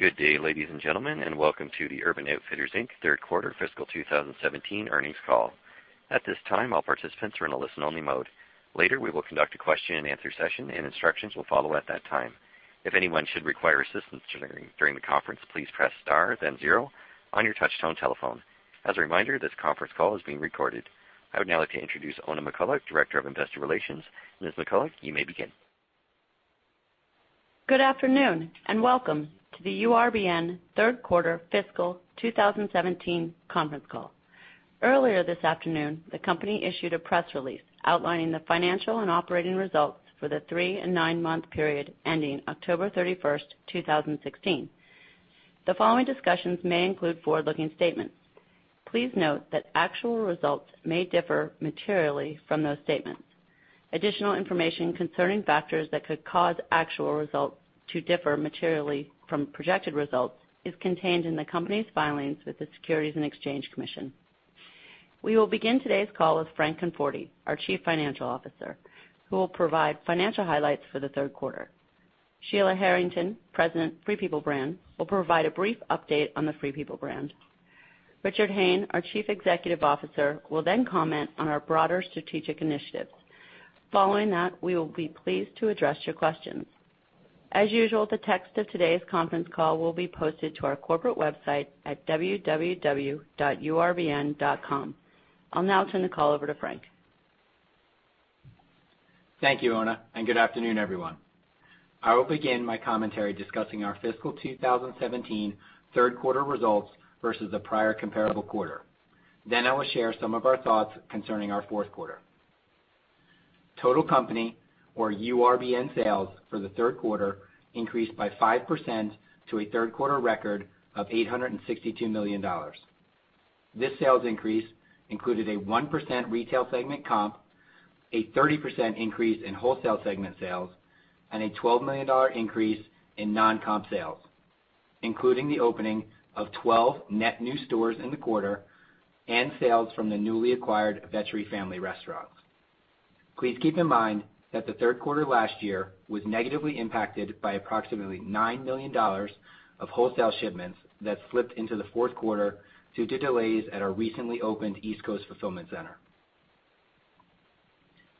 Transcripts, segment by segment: Good day, ladies and gentlemen, and welcome to the Urban Outfitters, Inc. third quarter fiscal 2017 earnings call. At this time, all participants are in a listen-only mode. Later, we will conduct a question and answer session, and instructions will follow at that time. If anyone should require assistance during the conference, please press star then zero on your touchtone telephone. As a reminder, this conference call is being recorded. I would now like to introduce Oona McCullough, Director of Investor Relations. Ms. McCullough, you may begin. Good afternoon, and welcome to the URBN third quarter fiscal 2017 conference call. Earlier this afternoon, the company issued a press release outlining the financial and operating results for the three and nine-month period ending October 31st, 2016. The following discussions may include forward-looking statements. Please note that actual results may differ materially from those statements. Additional information concerning factors that could cause actual results to differ materially from projected results is contained in the company's filings with the Securities and Exchange Commission. We will begin today's call with Frank Conforti, our Chief Financial Officer, who will provide financial highlights for the third quarter. Sheila Harrington, President, Free People brand, will provide a brief update on the Free People brand. Richard Hayne, our Chief Executive Officer, will then comment on our broader strategic initiatives. Following that, we will be pleased to address your questions. As usual, the text of today's conference call will be posted to our corporate website at www.urbn.com. I'll now turn the call over to Frank. Thank you, Oona, and good afternoon, everyone. I will begin my commentary discussing our fiscal 2017 third quarter results versus the prior comparable quarter. I will share some of our thoughts concerning our fourth quarter. Total company or URBN sales for the third quarter increased by 5% to a third quarter record of $862 million. This sales increase included a 1% retail segment comp, a 30% increase in wholesale segment sales, and a $12 million increase in non-comp sales, including the opening of 12 net new stores in the quarter and sales from the newly acquired Vetri Family Restaurant. Please keep in mind that the third quarter last year was negatively impacted by approximately $9 million of wholesale shipments that slipped into the fourth quarter due to delays at our recently opened East Coast fulfillment center.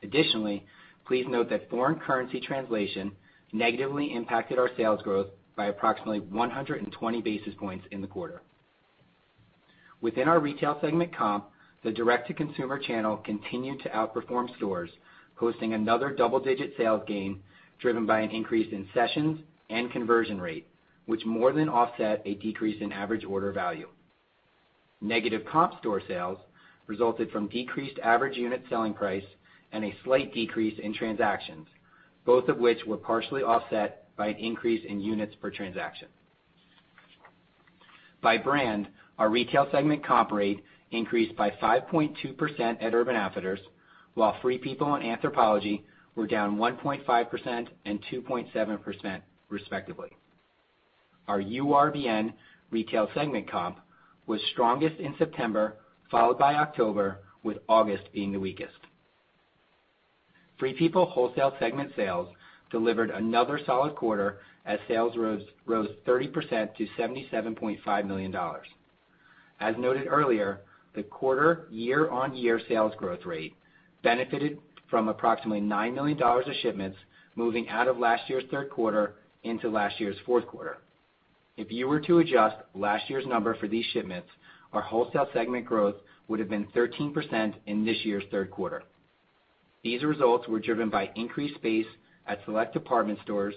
Additionally, please note that foreign currency translation negatively impacted our sales growth by approximately 120 basis points in the quarter. Within our retail segment comp, the direct-to-consumer channel continued to outperform stores, posting another double-digit sales gain driven by an increase in sessions and conversion rate, which more than offset a decrease in average order value. Negative comp store sales resulted from decreased average unit selling price and a slight decrease in transactions, both of which were partially offset by an increase in units per transaction. By brand, our retail segment comp rate increased by 5.2% at Urban Outfitters, while Free People and Anthropologie were down 1.5% and 2.7% respectively. Our URBN retail segment comp was strongest in September, followed by October, with August being the weakest. Free People wholesale segment sales delivered another solid quarter as sales rose 30% to $77.5 million. As noted earlier, the quarter year-on-year sales growth rate benefited from approximately $9 million of shipments moving out of last year's third quarter into last year's fourth quarter. If you were to adjust last year's number for these shipments, our wholesale segment growth would have been 13% in this year's third quarter. These results were driven by increased space at select department stores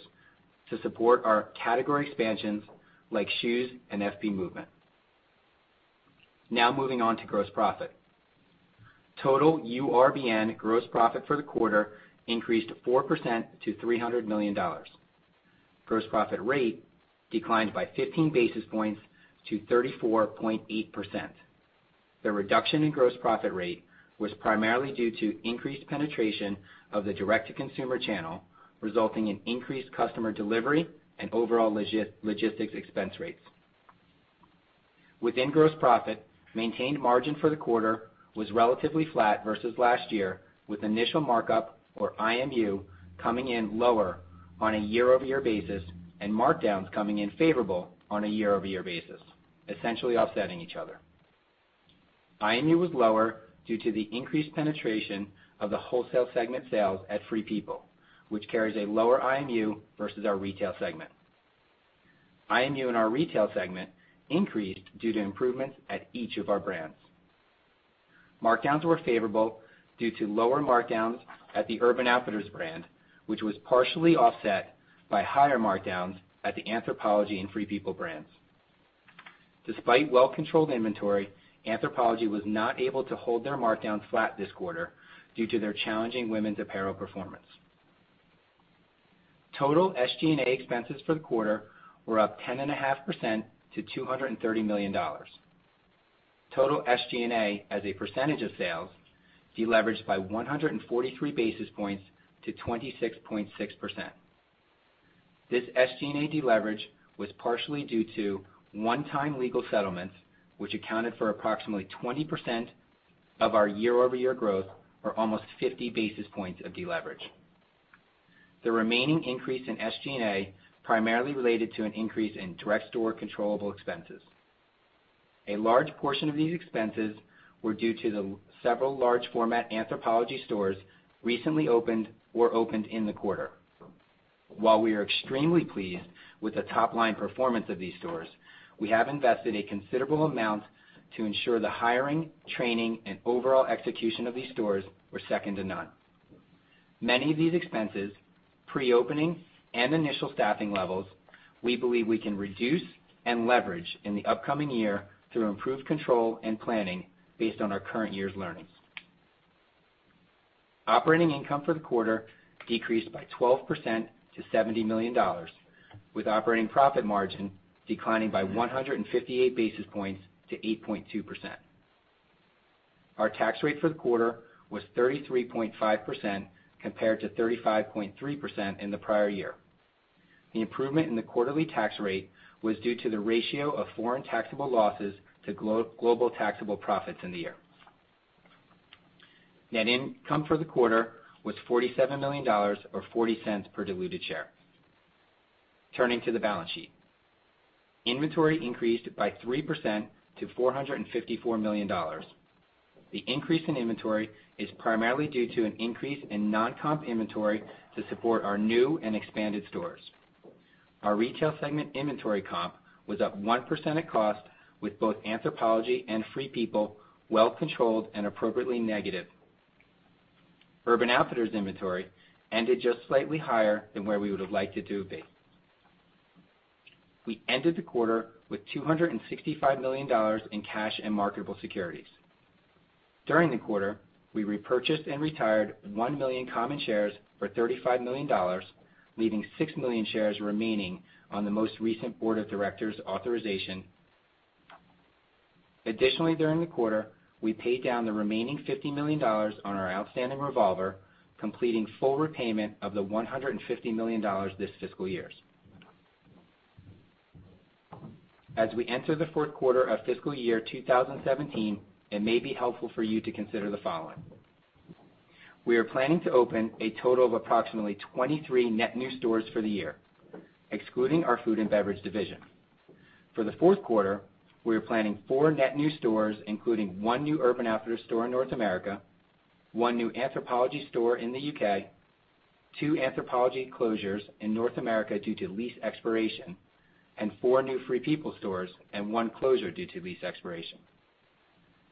to support our category expansions like shoes and FP Movement. Now moving on to gross profit. Total URBN gross profit for the quarter increased 4% to $300 million. Gross profit rate declined by 15 basis points to 34.8%. The reduction in gross profit rate was primarily due to increased penetration of the direct-to-consumer channel, resulting in increased customer delivery and overall logistics expense rates. Within gross profit, maintained margin for the quarter was relatively flat versus last year, with initial markup or IMU coming in lower on a year-over-year basis and markdowns coming in favorable on a year-over-year basis, essentially offsetting each other. IMU was lower due to the increased penetration of the wholesale segment sales at Free People, which carries a lower IMU versus our retail segment. IMU in our retail segment increased due to improvements at each of our brands. Markdowns were favorable due to lower markdowns at the Urban Outfitters brand, which was partially offset by higher markdowns at the Anthropologie and Free People brands. Despite well-controlled inventory, Anthropologie was not able to hold their markdowns flat this quarter due to their challenging women's apparel performance. Total SG&A expenses for the quarter were up 10.5% to $230 million. Total SG&A as a percentage of sales deleveraged by 143 basis points to 26.6%. This SG&A deleverage was partially due to one-time legal settlements, which accounted for approximately 20% of our year-over-year growth, or almost 50 basis points of deleverage. The remaining increase in SG&A primarily related to an increase in direct store controllable expenses. A large portion of these expenses were due to the several large format Anthropologie stores recently opened or opened in the quarter. While we are extremely pleased with the top-line performance of these stores, we have invested a considerable amount to ensure the hiring, training, and overall execution of these stores were second to none. Many of these expenses, pre-opening and initial staffing levels, we believe we can reduce and leverage in the upcoming year through improved control and planning based on our current year's learnings. Operating income for the quarter decreased by 12% to $70 million, with operating profit margin declining by 158 basis points to 8.2%. Our tax rate for the quarter was 33.5% compared to 35.3% in the prior year. The improvement in the quarterly tax rate was due to the ratio of foreign taxable losses to global taxable profits in the year. Net income for the quarter was $47 million, or $0.40 per diluted share. Turning to the balance sheet. Inventory increased by 3% to $454 million. The increase in inventory is primarily due to an increase in non-comp inventory to support our new and expanded stores. Our retail segment inventory comp was up 1% at cost with both Anthropologie and Free People well controlled and appropriately negative. Urban Outfitters inventory ended just slightly higher than where we would have liked it to have been. We ended the quarter with $265 million in cash and marketable securities. During the quarter, we repurchased and retired 1 million common shares for $35 million, leaving 6 million shares remaining on the most recent board of directors authorization. Additionally, during the quarter, we paid down the remaining $50 million on our outstanding revolver, completing full repayment of the $150 million this fiscal year. As we enter the fourth quarter of fiscal year 2017, it may be helpful for you to consider the following. We are planning to open a total of approximately 23 net new stores for the year, excluding our food and beverage division. For the fourth quarter, we are planning four net new stores, including one new Urban Outfitters store in North America, one new Anthropologie store in the U.K., two Anthropologie closures in North America due to lease expiration, and four new Free People stores and one closure due to lease expiration.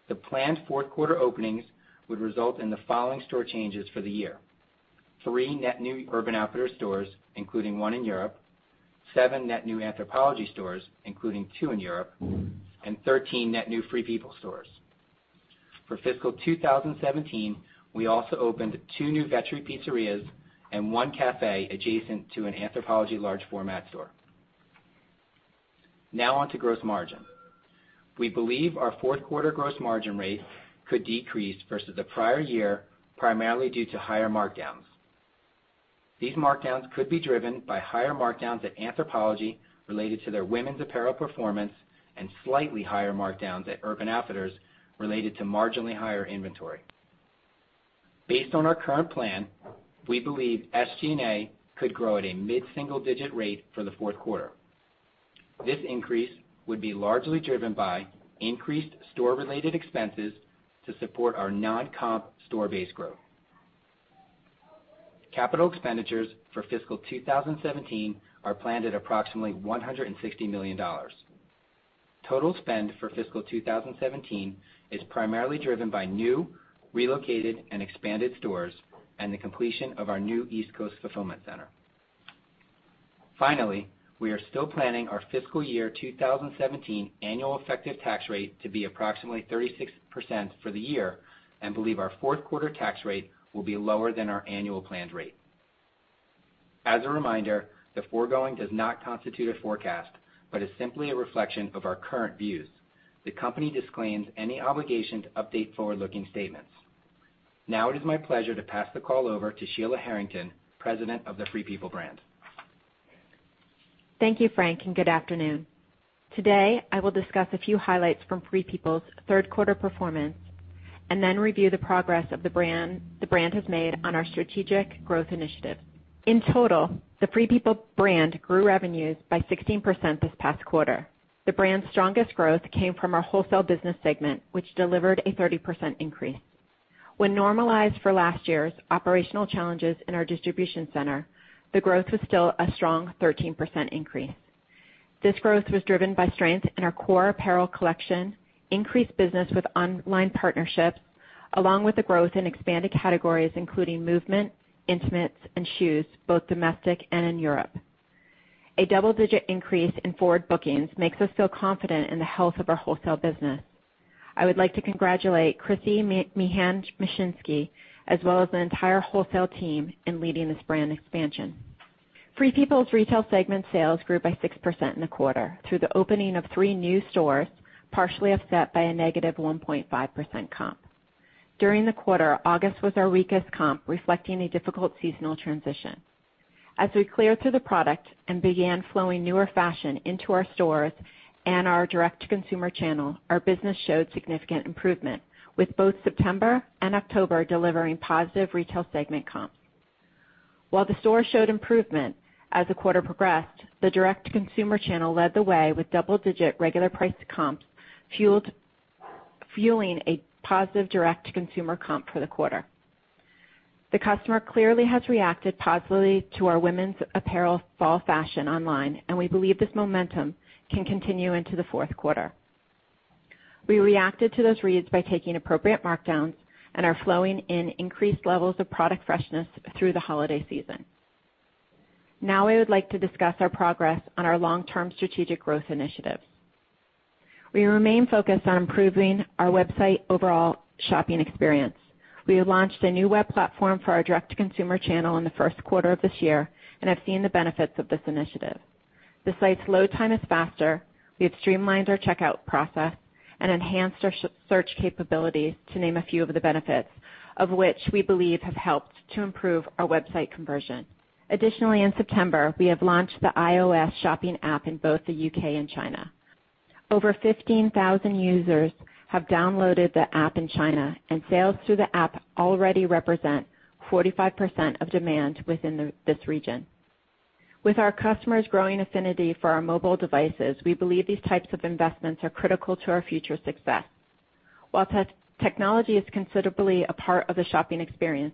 The planned fourth quarter openings would result in the following store changes for the year. Three net new Urban Outfitters stores, including one in Europe, seven net new Anthropologie stores, including two in Europe, and 13 net new Free People stores. For fiscal 2017, we also opened two new Vetri pizzerias and one cafe adjacent to an Anthropologie large format store. Now on to gross margin. We believe our fourth quarter gross margin rate could decrease versus the prior year, primarily due to higher markdowns. These markdowns could be driven by higher markdowns at Anthropologie related to their women's apparel performance and slightly higher markdowns at Urban Outfitters related to marginally higher inventory. Based on our current plan, we believe SG&A could grow at a mid-single-digit rate for the fourth quarter. This increase would be largely driven by increased store-related expenses to support our non-comp store base growth. Capital expenditures for fiscal 2017 are planned at approximately $160 million. Total spend for fiscal 2017 is primarily driven by new, relocated, and expanded stores and the completion of our new East Coast fulfillment center. Finally, we are still planning our fiscal year 2017 annual effective tax rate to be approximately 36% for the year and believe our fourth quarter tax rate will be lower than our annual planned rate. As a reminder, the foregoing does not constitute a forecast, but is simply a reflection of our current views. The company disclaims any obligation to update forward-looking statements. Now it is my pleasure to pass the call over to Sheila Harrington, President of the Free People brand. Thank you, Frank, and good afternoon. Today, I will discuss a few highlights from Free People's third quarter performance and then review the progress the brand has made on our strategic growth initiative. In total, the Free People brand grew revenues by 16% this past quarter. The brand's strongest growth came from our wholesale business segment, which delivered a 30% increase. When normalized for last year's operational challenges in our distribution center, the growth was still a strong 13% increase. This growth was driven by strength in our core apparel collection, increased business with online partnerships, along with the growth in expanded categories, including movement, intimates, and shoes, both domestic and in Europe. A double-digit increase in forward bookings makes us feel confident in the health of our wholesale business. I would like to congratulate Krissy Mehan-Mashinsky, as well as the entire wholesale team in leading this brand expansion. Free People's retail segment sales grew by 6% in the quarter through the opening of three new stores, partially offset by a negative 1.5% comp. During the quarter, August was our weakest comp, reflecting a difficult seasonal transition. As we cleared through the product and began flowing newer fashion into our stores and our direct-to-consumer channel, our business showed significant improvement, with both September and October delivering positive retail segment comps. While the store showed improvement as the quarter progressed, the direct-to-consumer channel led the way with double-digit regular priced comps, fueling a positive direct-to-consumer comp for the quarter. The customer clearly has reacted positively to our women's apparel fall fashion online, and we believe this momentum can continue into the fourth quarter. We reacted to those reads by taking appropriate markdowns and are flowing in increased levels of product freshness through the holiday season. Now I would like to discuss our progress on our long-term strategic growth initiatives. We remain focused on improving our website overall shopping experience. We have launched a new web platform for our direct-to-consumer channel in the first quarter of this year and have seen the benefits of this initiative. The site's load time is faster. We have streamlined our checkout process and enhanced our search capabilities to name a few of the benefits, which we believe have helped to improve our website conversion. Additionally, in September, we have launched the iOS shopping app in both the U.K. and China. Over 15,000 users have downloaded the app in China, and sales through the app already represent 45% of demand within this region. With our customers growing affinity for our mobile devices, we believe these types of investments are critical to our future success. While technology is considerably a part of the shopping experience,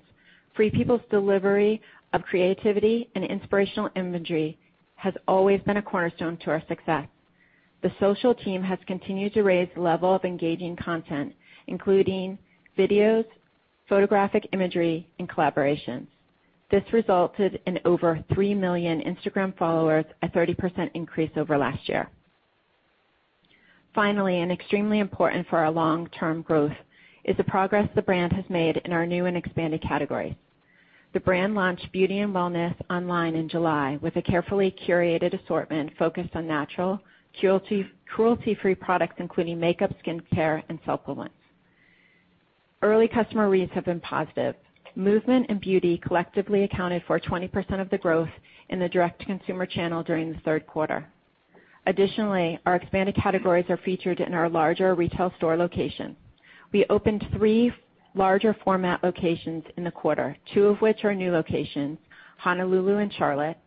Free People's delivery of creativity and inspirational imagery has always been a cornerstone to our success. The social team has continued to raise the level of engaging content, including videos, photographic imagery, and collaborations. This resulted in over 3 million Instagram followers, a 30% increase over last year. Finally, and extremely important for our long-term growth, is the progress the brand has made in our new and expanded categories. The brand launched beauty and wellness online in July with a carefully curated assortment focused on natural, cruelty-free products, including makeup, skincare, and supplements. Early customer reads have been positive. Movement and beauty collectively accounted for 20% of the growth in the direct-to-consumer channel during the third quarter. Additionally, our expanded categories are featured in our larger retail store locations. We opened 3 larger format locations in the quarter, 2 of which are new locations, Honolulu and Charlotte,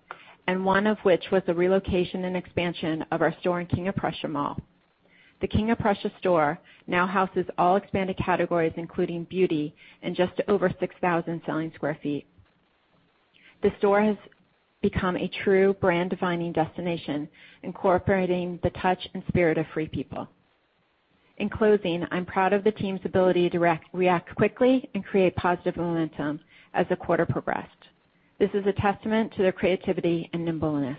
and 1 of which was the relocation and expansion of our store in King of Prussia Mall. The King of Prussia store now houses all expanded categories, including beauty, in just over 6,000 selling sq ft. The store has become a true brand-defining destination, incorporating the touch and spirit of Free People. In closing, I'm proud of the team's ability to react quickly and create positive momentum as the quarter progressed. This is a testament to their creativity and nimbleness.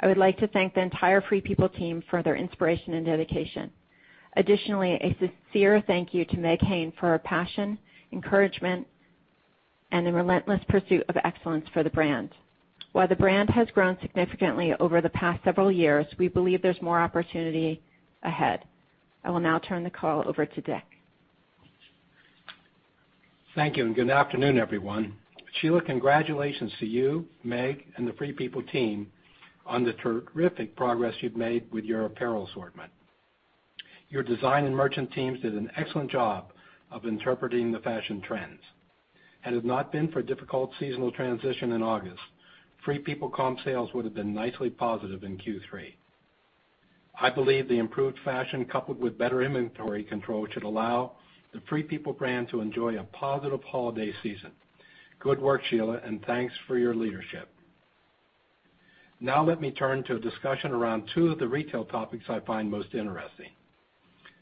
I would like to thank the entire Free People team for their inspiration and dedication. Additionally, a sincere thank you to Meg Hayne for her passion, encouragement, and the relentless pursuit of excellence for the brand. While the brand has grown significantly over the past several years, we believe there's more opportunity ahead. I will now turn the call over to Dick. Thank you, and good afternoon, everyone. Sheila, congratulations to you, Meg, and the Free People team on the terrific progress you've made with your apparel assortment. Your design and merchant teams did an excellent job of interpreting the fashion trends. Had it not been for a difficult seasonal transition in August, Free People comp sales would have been nicely positive in Q3. I believe the improved fashion coupled with better inventory control should allow the Free People brand to enjoy a positive holiday season. Good work, Sheila, and thanks for your leadership. Now let me turn to a discussion around 2 of the retail topics I find most interesting,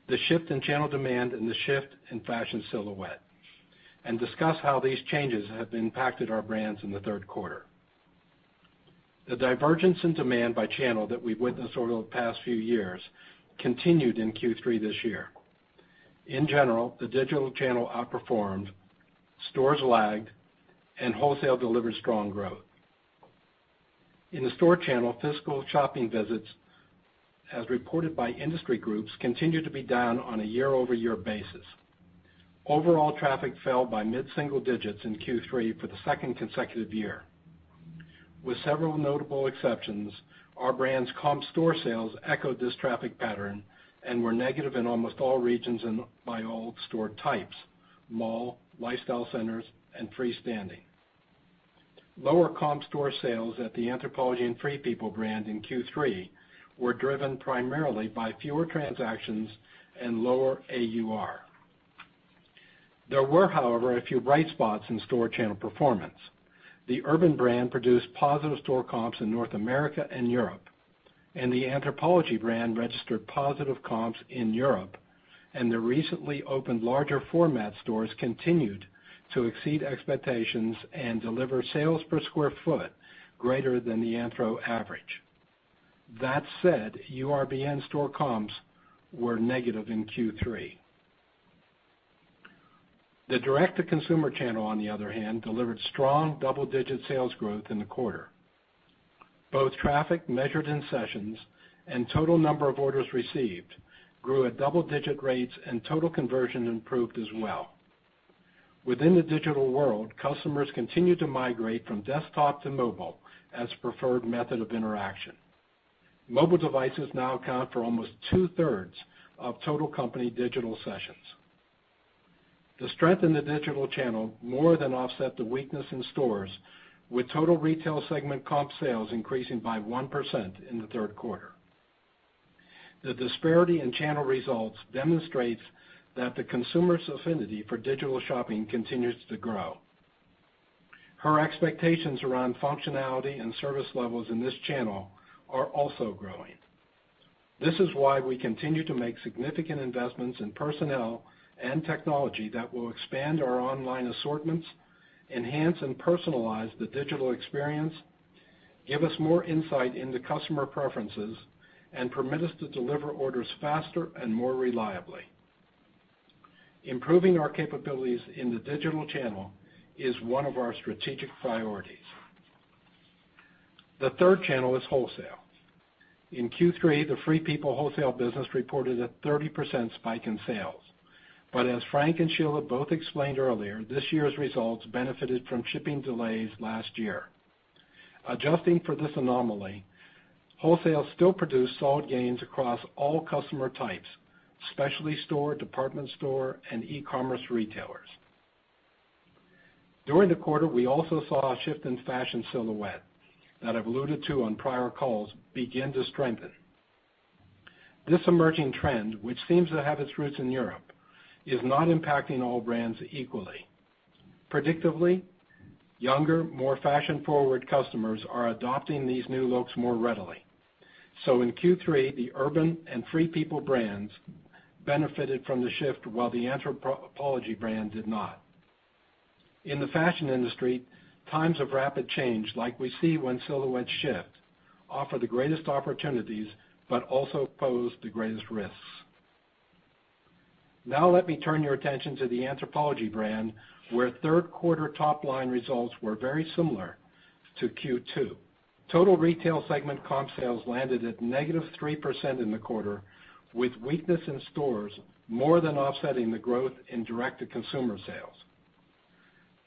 the shift in channel demand and the shift in fashion silhouette, and discuss how these changes have impacted our brands in the third quarter. The divergence in demand by channel that we've witnessed over the past few years continued in Q3 this year. In general, the digital channel outperformed, stores lagged, and wholesale delivered strong growth. In the store channel, physical shopping visits, as reported by industry groups, continued to be down on a year-over-year basis. Overall traffic fell by mid-single digits in Q3 for the second consecutive year. With several notable exceptions, our brands' comp store sales echoed this traffic pattern and were negative in almost all regions and by all store types, mall, lifestyle centers, and freestanding. Lower comp store sales at the Anthropologie and Free People brand in Q3 were driven primarily by fewer transactions and lower AUR. There were, however, a few bright spots in store channel performance. The Urban brand produced positive store comps in North America and Europe. The Anthropologie brand registered positive comps in Europe, and the recently opened larger format stores continued to exceed expectations and deliver sales per square foot greater than the Anthro average. That said, URBN store comps were negative in Q3. The direct-to-consumer channel, on the other hand, delivered strong double-digit sales growth in the quarter. Both traffic measured in sessions and total number of orders received grew at double-digit rates, and total conversion improved as well. Within the digital world, customers continue to migrate from desktop to mobile as preferred method of interaction. Mobile devices now account for almost two-thirds of total company digital sessions. The strength in the digital channel more than offset the weakness in stores, with total retail segment comp sales increasing by 1% in the third quarter. The disparity in channel results demonstrates that the consumer's affinity for digital shopping continues to grow. Her expectations around functionality and service levels in this channel are also growing. This is why we continue to make significant investments in personnel and technology that will expand our online assortments, enhance and personalize the digital experience, give us more insight into customer preferences, and permit us to deliver orders faster and more reliably. Improving our capabilities in the digital channel is one of our strategic priorities. The third channel is wholesale. In Q3, the Free People wholesale business reported a 30% spike in sales. As Frank and Sheila both explained earlier, this year's results benefited from shipping delays last year. Adjusting for this anomaly, wholesale still produced solid gains across all customer types, specialty store, department store, and e-commerce retailers. During the quarter, we also saw a shift in fashion silhouette that I've alluded to on prior calls begin to strengthen. This emerging trend, which seems to have its roots in Europe, is not impacting all brands equally. Predictably, younger, more fashion-forward customers are adopting these new looks more readily. In Q3, the Urban and Free People brands benefited from the shift, while the Anthropologie brand did not. In the fashion industry, times of rapid change, like we see when silhouettes shift, offer the greatest opportunities but also pose the greatest risks. Let me turn your attention to the Anthropologie brand, where third quarter top-line results were very similar to Q2. Total retail segment comp sales landed at negative 3% in the quarter, with weakness in stores more than offsetting the growth in direct-to-consumer sales.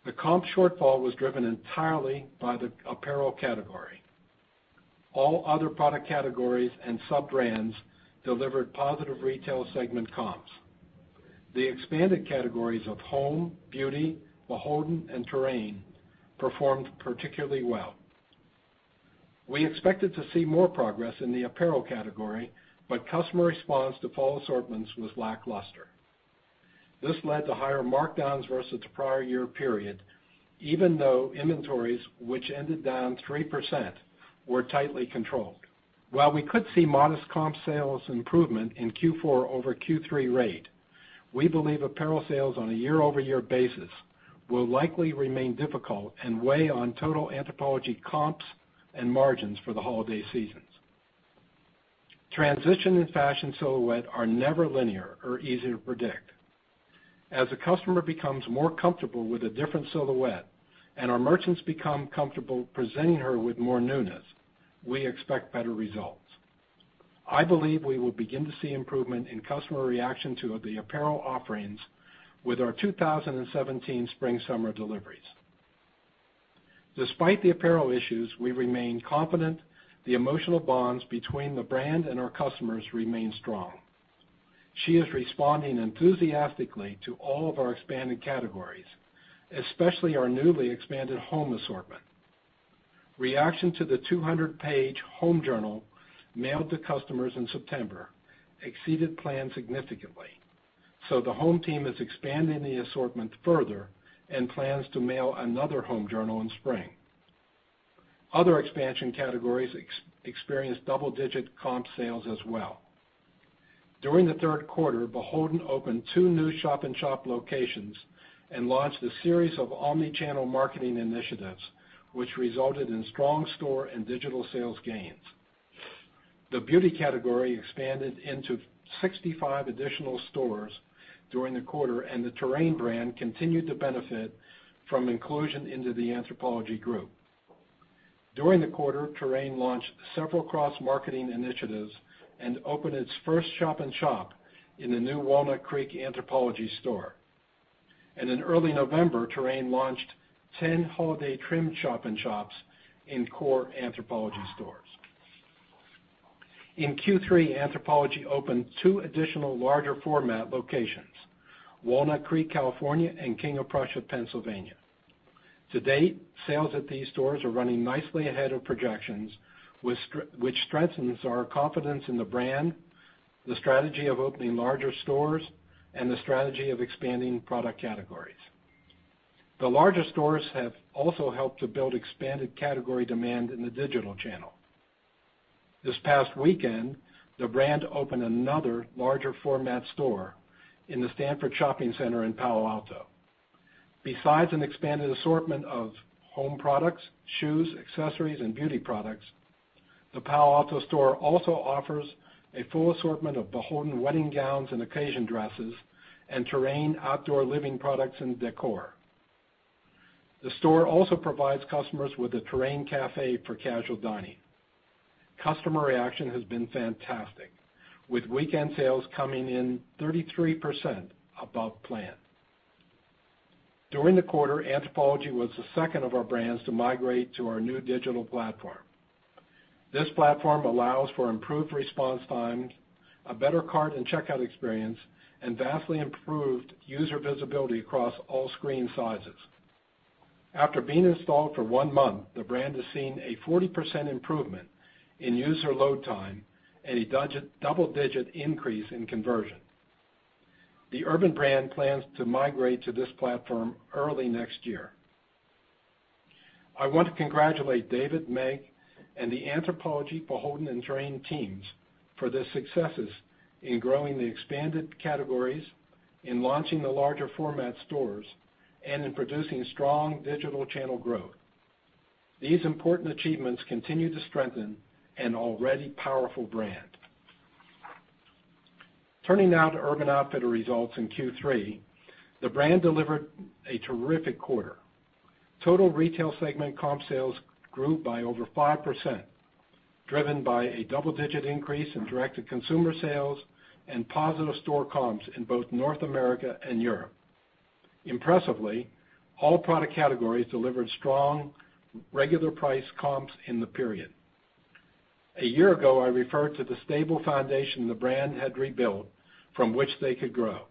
The comp shortfall was driven entirely by the apparel category. All other product categories and sub-brands delivered positive retail segment comps. The expanded categories of home, beauty, BHLDN, and Terrain performed particularly well. We expected to see more progress in the apparel category, but customer response to fall assortments was lackluster. This led to higher markdowns versus the prior year period, even though inventories, which ended down 3%, were tightly controlled. While we could see modest comp sales improvement in Q4 over Q3 rate, we believe apparel sales on a year-over-year basis will likely remain difficult and weigh on total Anthropologie comps and margins for the holiday seasons. Transition in fashion silhouette are never linear or easy to predict. As a customer becomes more comfortable with a different silhouette and our merchants become comfortable presenting her with more newness, we expect better results. I believe we will begin to see improvement in customer reaction to the apparel offerings with our 2017 spring-summer deliveries. Despite the apparel issues, we remain confident the emotional bonds between the brand and our customers remain strong. She is responding enthusiastically to all of our expanded categories, especially our newly expanded home assortment. Reaction to the 200-page home journal mailed to customers in September exceeded plan significantly. The home team is expanding the assortment further and plans to mail another home journal in spring. Other expansion categories experienced double-digit comp sales as well. During the third quarter, BHLDN opened two new shop-in-shop locations and launched a series of omni-channel marketing initiatives, which resulted in strong store and digital sales gains. The beauty category expanded into 65 additional stores during the quarter, and the Terrain brand continued to benefit from inclusion into the Anthropologie Group. During the quarter, Terrain launched several cross-marketing initiatives and opened its first shop-in-shop in the new Walnut Creek Anthropologie store. In early November, Terrain launched 10 holiday trim shop-in-shops in core Anthropologie stores. In Q3, Anthropologie opened two additional larger format locations, Walnut Creek, California and King of Prussia, Pennsylvania. To date, sales at these stores are running nicely ahead of projections, which strengthens our confidence in the brand, the strategy of opening larger stores, and the strategy of expanding product categories. The larger stores have also helped to build expanded category demand in the digital channel. This past weekend, the brand opened another larger format store in the Stanford Shopping Center in Palo Alto. Besides an expanded assortment of home products, shoes, accessories, and beauty products, the Palo Alto store also offers a full assortment of BHLDN wedding gowns and occasion dresses and Terrain outdoor living products and décor. The store also provides customers with a Terrain cafe for casual dining. Customer reaction has been fantastic, with weekend sales coming in 33% above plan. During the quarter, Anthropologie was the second of our brands to migrate to our new digital platform. This platform allows for improved response times, a better cart and checkout experience, and vastly improved user visibility across all screen sizes. After being installed for one month, the brand has seen a 40% improvement in user load time and a double-digit increase in conversion. The Urban brand plans to migrate to this platform early next year. I want to congratulate David, Meg, and the Anthropologie, BHLDN and Terrain teams for their successes in growing the expanded categories, in launching the larger format stores, and in producing strong digital channel growth. These important achievements continue to strengthen an already powerful brand. Turning now to Urban Outfitters results in Q3, the brand delivered a terrific quarter. Total retail segment comp sales grew by over 5%, driven by a double-digit increase in direct-to-consumer sales and positive store comps in both North America and Europe. Impressively, all product categories delivered strong regular price comps in the period. A year ago, I referred to the stable foundation the brand had rebuilt from which they could grow.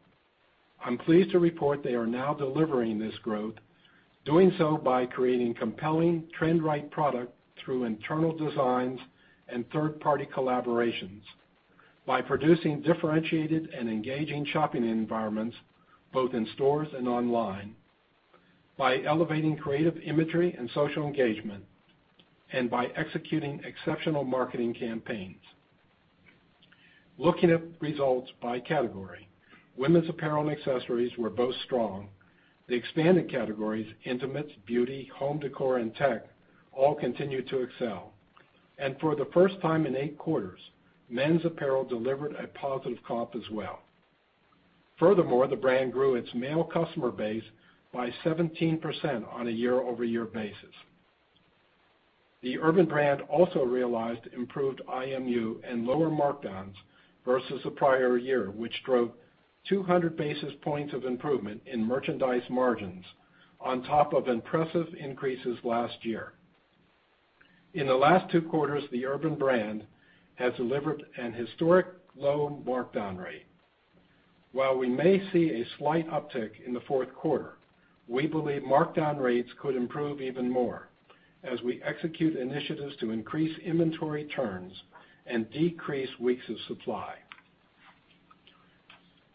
I'm pleased to report they are now delivering this growth, doing so by creating compelling trend right product through internal designs and third-party collaborations by producing differentiated and engaging shopping environments both in stores and online, by elevating creative imagery and social engagement, by executing exceptional marketing campaigns. Looking at results by category, women's apparel and accessories were both strong. The expanded categories, intimates, beauty, home decor, and tech all continued to excel. For the first time in eight quarters, men's apparel delivered a positive comp as well. Furthermore, the brand grew its male customer base by 17% on a year-over-year basis. The Urban brand also realized improved IMU and lower markdowns versus the prior year, which drove 200 basis points of improvement in merchandise margins on top of impressive increases last year. In the last two quarters, the Urban brand has delivered an historic low markdown rate. While we may see a slight uptick in the fourth quarter, we believe markdown rates could improve even more as we execute initiatives to increase inventory turns and decrease weeks of supply.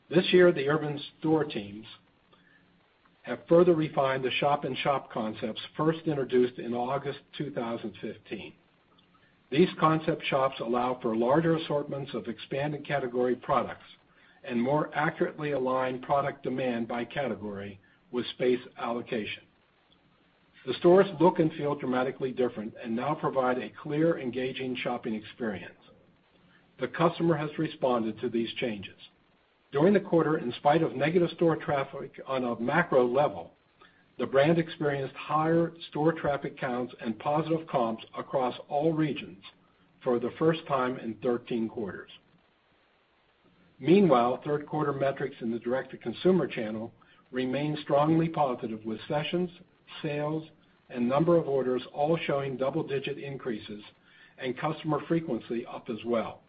This year, the Urban store teams have further refined the shop-in-shop concepts first introduced in August 2015. These concept shops allow for larger assortments of expanded category products and more accurately align product demand by category with space allocation. The stores look and feel dramatically different and now provide a clear, engaging shopping experience. The customer has responded to these changes. During the quarter, in spite of negative store traffic on a macro level, the brand experienced higher store traffic counts and positive comps across all regions for the first time in 13 quarters. Meanwhile, third quarter metrics in the direct-to-consumer channel remain strongly positive, with sessions, sales, and number of orders all showing double-digit increases and customer frequency up as well.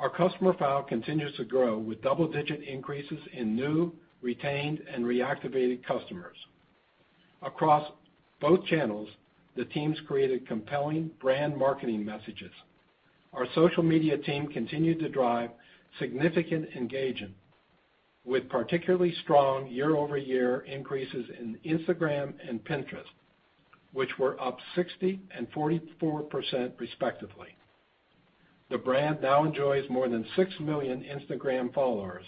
Our customer file continues to grow with double-digit increases in new, retained, and reactivated customers. Across both channels, the teams created compelling brand marketing messages. Our social media team continued to drive significant engagement with particularly strong year-over-year increases in Instagram and Pinterest, which were up 60% and 44%, respectively. The brand now enjoys more than six million Instagram followers,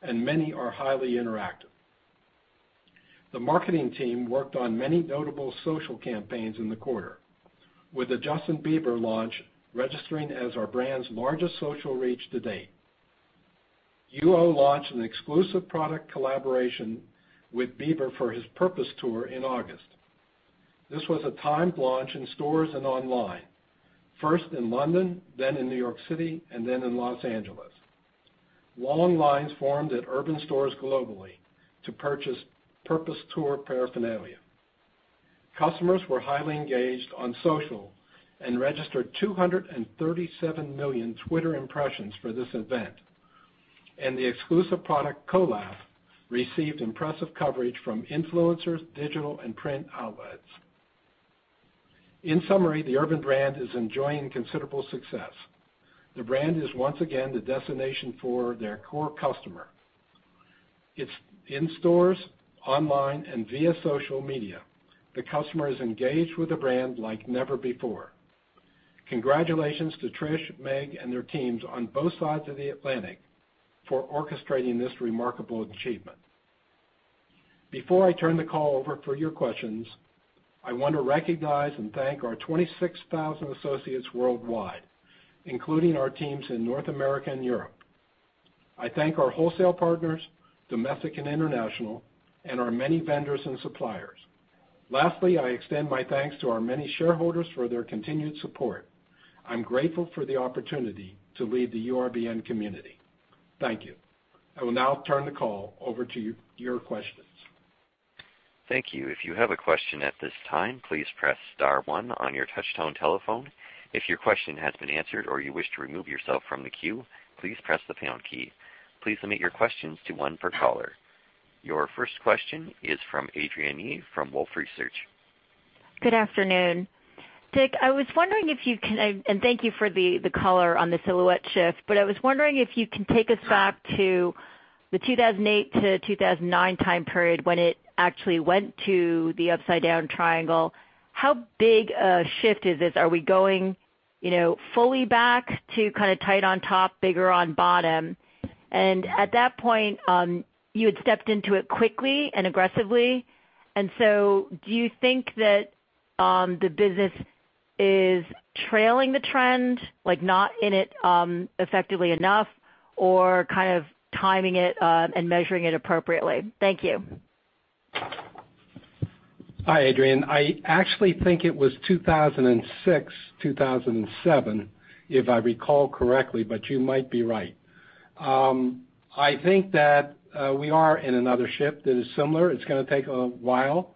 and many are highly interactive. The marketing team worked on many notable social campaigns in the quarter with the Justin Bieber launch registering as our brand's largest social reach to date. UO launched an exclusive product collaboration with Bieber for his Purpose Tour in August. This was a timed launch in stores and online, first in London, then in New York City, and then in Los Angeles. Long lines formed at Urban stores globally to purchase Purpose tour paraphernalia. Customers were highly engaged on social and registered 237 million Twitter impressions for this event, and the exclusive product collab received impressive coverage from influencers, digital, and print outlets. In summary, the Urban brand is enjoying considerable success. The brand is once again the destination for their core customer. It's in stores, online, and via social media. The customer is engaged with the brand like never before. Congratulations to Trish, Meg, and their teams on both sides of the Atlantic for orchestrating this remarkable achievement. Before I turn the call over for your questions, I want to recognize and thank our 26,000 associates worldwide, including our teams in North America and Europe. I thank our wholesale partners, domestic and international, and our many vendors and suppliers. Lastly, I extend my thanks to our many shareholders for their continued support. I'm grateful for the opportunity to lead the URBN community. Thank you. I will now turn the call over to your questions. Thank you. If you have a question at this time, please press star one on your touchtone telephone. If your question has been answered or you wish to remove yourself from the queue, please press the pound key. Please limit your questions to one per caller. Your first question is from Adrienne Yih from Wolfe Research. Good afternoon. Dick, thank you for the color on the silhouette shift, I was wondering if you can take us back to the 2008 to 2009 time period when it actually went to the upside-down triangle. How big a shift is this? Are we going fully back to tight on top, bigger on bottom? At that point, you had stepped into it quickly and aggressively. Do you think that the business is trailing the trend, like not in it effectively enough, or kind of timing it and measuring it appropriately? Thank you. Hi, Adrienne. I actually think it was 2006, 2007, if I recall correctly, but you might be right. I think that we are in another shift that is similar. It's going to take a while.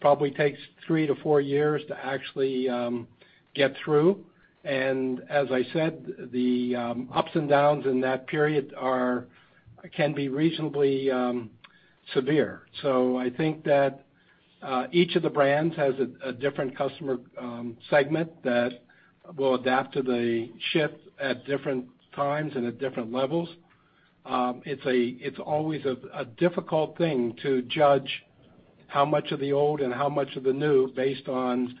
Probably takes three to four years to actually get through. As I said, the ups and downs in that period can be reasonably severe. I think that each of the brands has a different customer segment that will adapt to the shift at different times and at different levels. It's always a difficult thing to judge how much of the old and how much of the new based on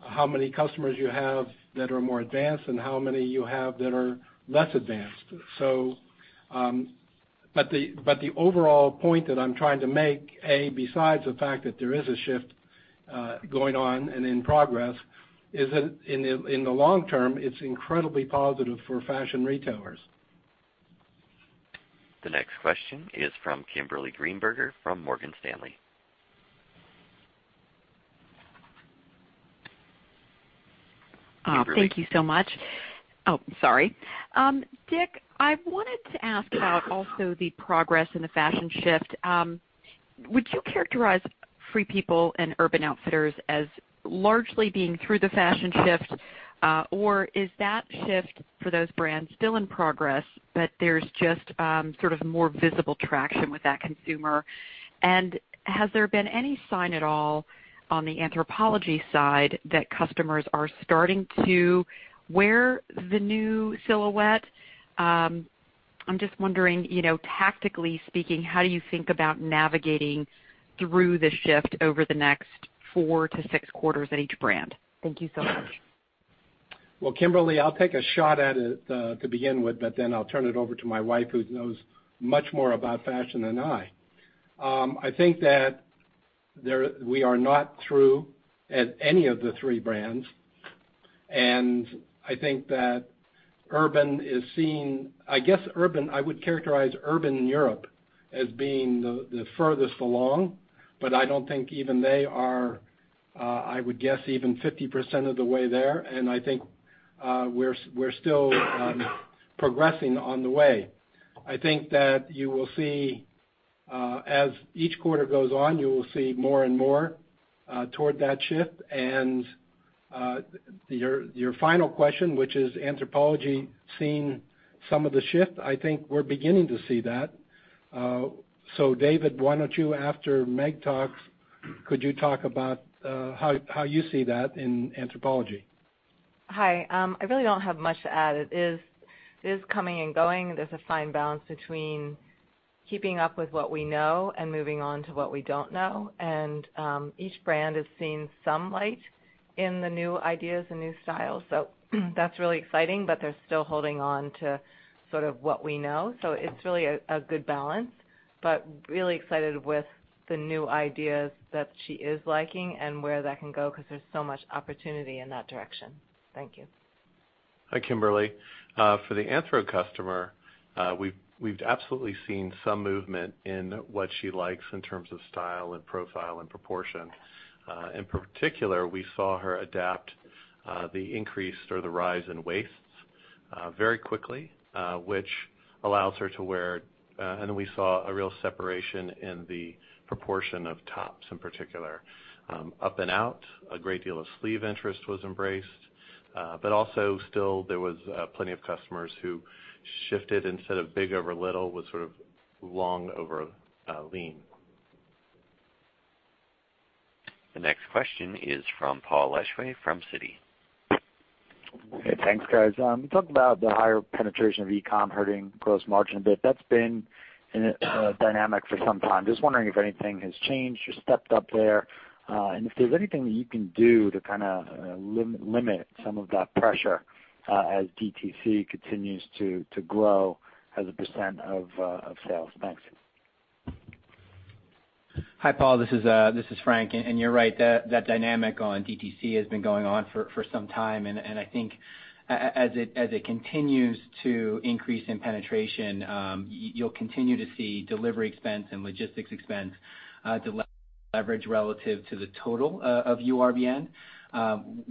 how many customers you have that are more advanced and how many you have that are less advanced. The overall point that I'm trying to make, besides the fact that there is a shift going on and in progress, is that in the long term, it's incredibly positive for fashion retailers. The next question is from Kimberly Greenberger from Morgan Stanley. Kimberly. Thank you so much. Oh, sorry. Dick, I wanted to ask about also the progress in the fashion shift. Would you characterize Free People and Urban Outfitters as largely being through the fashion shift? Or is that shift for those brands still in progress, but there's just sort of more visible traction with that consumer? Has there been any sign at all on the Anthropologie side that customers are starting to wear the new silhouette? I'm just wondering, tactically speaking, how do you think about navigating through the shift over the next four to six quarters at each brand? Thank you so much. Kimberly, I'll take a shot at it to begin with, but then I'll turn it over to my wife, who knows much more about fashion than I. I think that we are not through at any of the three brands. I think that Urban is seeing. I guess I would characterize Urban in Europe as being the furthest along, but I don't think even they are, I would guess, even 50% of the way there, and I think we're still progressing on the way. I think that as each quarter goes on, you will see more and more toward that shift. To your final question, which is Anthropologie seeing some of the shift, I think we're beginning to see that. David, why don't you, after Meg talks, could you talk about how you see that in Anthropologie? Hi. I really don't have much to add. It is coming and going. There's a fine balance between keeping up with what we know and moving on to what we don't know. Each brand has seen some light in the new ideas and new styles. That's really exciting, but they're still holding on to sort of what we know. It's really a good balance, but really excited with the new ideas that she is liking and where that can go because there's so much opportunity in that direction. Thank you. Hi, Kimberly. For the Anthro customer, we've absolutely seen some movement in what she likes in terms of style and profile and proportion. In particular, we saw her adapt the increase or the rise in waists very quickly, which allows her to wear. We saw a real separation in the proportion of tops in particular. Up and out, a great deal of sleeve interest was embraced. Also still there was plenty of customers who shifted instead of big over little was sort of long over lean. The next question is from Paul Lejuez from Citi. Hey, thanks, guys. You talked about the higher penetration of e-com hurting gross margin a bit. That's been a dynamic for some time. Just wondering if anything has changed or stepped up there. If there's anything that you can do to kind of limit some of that pressure as DTC continues to grow as a % of sales. Thanks. Hi, Paul. This is Frank. You're right, that dynamic on DTC has been going on for some time. I think as it continues to increase in penetration, you'll continue to see delivery expense and logistics expense deleverage relative to the total of URBN.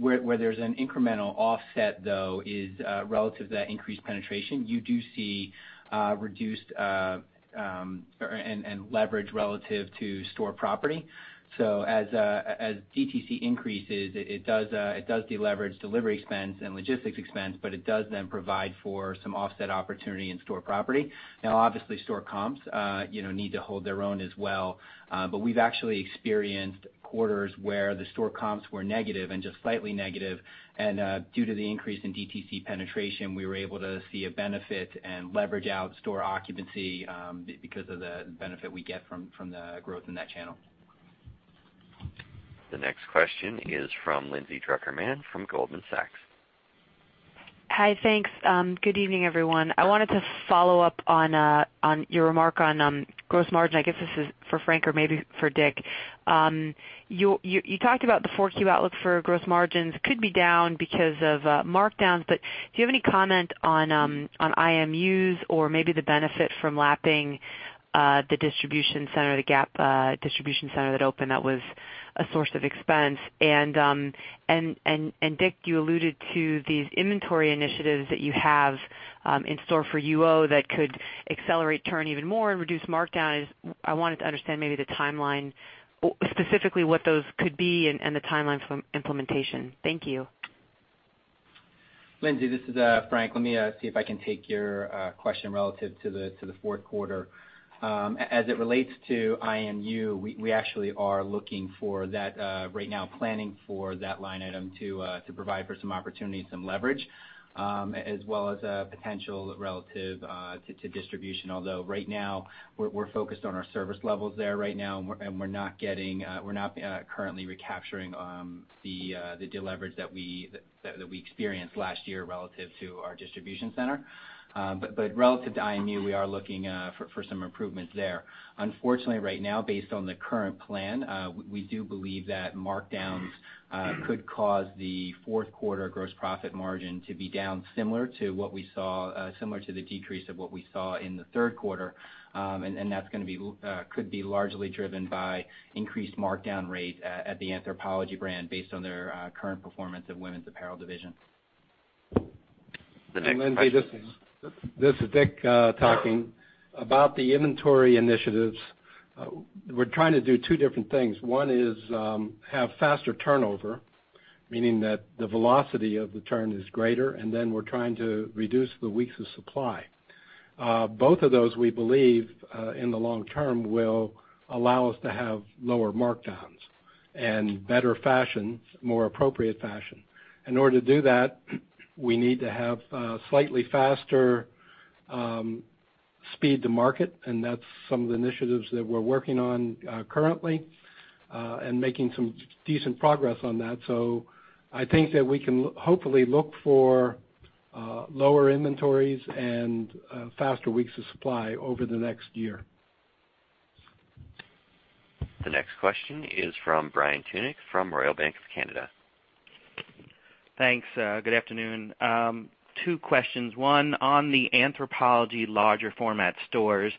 Where there's an incremental offset, though, is relative to that increased penetration. You do see reduced and leverage relative to store property. As DTC increases, it does deleverage delivery expense and logistics expense, but it does then provide for some offset opportunity in store property. Now, obviously, store comps need to hold their own as well. We've actually experienced quarters where the store comps were negative and just slightly negative, and due to the increase in DTC penetration, we were able to see a benefit and leverage out store occupancy because of the benefit we get from the growth in that channel. The next question is from Lindsay Drucker Mann from Goldman Sachs. Hi, thanks. Good evening, everyone. I wanted to follow up on your remark on gross margin. I guess this is for Frank or maybe for Dick. You talked about the Q4 outlook for gross margins could be down because of markdowns. Do you have any comment on IMUs or maybe the benefit from lapping the distribution center, the Gap distribution center that opened that was a source of expense. Dick, you alluded to these inventory initiatives that you have in store for UO that could accelerate turn even more and reduce markdown. I wanted to understand maybe the timeline, specifically what those could be and the timeline for implementation. Thank you. Lindsay, this is Frank. Let me see if I can take your question relative to the fourth quarter. As it relates to IMU, we actually are looking for that right now, planning for that line item to provide for some opportunities, some leverage as well as potential relative to distribution. Although right now we're focused on our service levels there right now, and we're not currently recapturing the deleverage that we experienced last year relative to our distribution center. Relative to IMU, we are looking for some improvements there. Unfortunately, right now, based on the current plan, we do believe that markdowns could cause the fourth quarter gross profit margin to be down similar to the decrease of what we saw in the third quarter. That could be largely driven by increased markdown rate at the Anthropologie brand based on their current performance of women's apparel division. The next question. Lindsay, this is Dick talking. About the inventory initiatives, we're trying to do two different things. One is have faster turnover, meaning that the velocity of the turn is greater, and then we're trying to reduce the weeks of supply. Both of those, we believe, in the long term, will allow us to have lower markdowns and better fashion, more appropriate fashion. In order to do that, we need to have a slightly faster speed to market, and that's some of the initiatives that we're working on currently, and making some decent progress on that. I think that we can hopefully look for lower inventories and faster weeks of supply over the next year. The next question is from Brian Tunick from Royal Bank of Canada. Thanks. Good afternoon. Two questions. One, on the Anthropologie larger format stores,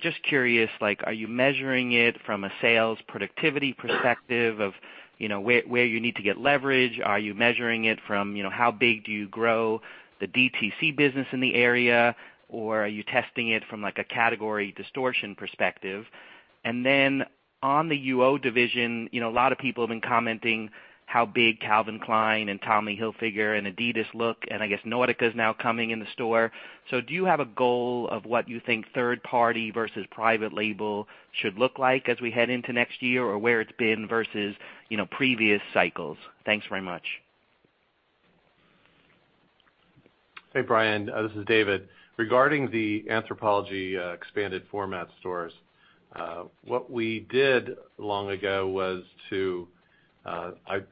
just curious, are you measuring it from a sales productivity perspective of where you need to get leverage? Are you measuring it from how big do you grow the DTC business in the area, or are you testing it from a category distortion perspective? On the UO division, a lot of people have been commenting how big Calvin Klein and Tommy Hilfiger and Adidas look, and I guess Nautica is now coming in the store. Do you have a goal of what you think third party versus private label should look like as we head into next year, or where it's been versus previous cycles? Thanks very much. Hey, Brian. This is David. Regarding the Anthropologie expanded format stores, what we did long ago was